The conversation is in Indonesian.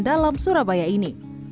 dalam surabaya ini